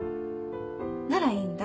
ならいいんだ。